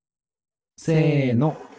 せの。